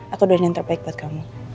aku doain yang terbaik buat kamu